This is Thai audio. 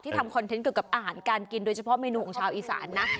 ทำคอนเทนต์เกี่ยวกับอาหารการกินโดยเฉพาะเมนูของชาวอีสานนะ